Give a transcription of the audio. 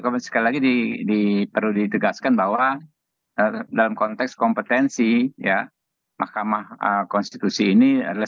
sekali lagi perlu ditegaskan bahwa dalam konteks kompetensi ya mahkamah konstitusi ini adalah